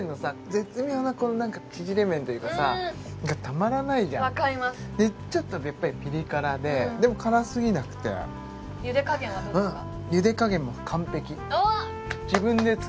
絶妙なこのなんか縮れ麺というかさがたまらないじゃんわかりますでちょっとやっぱりピリ辛ででも辛すぎなくて茹で加減はどうですかうわ！